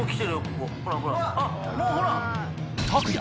もうほら。